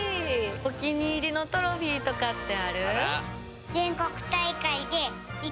おきにいりのトロフィーとかってある？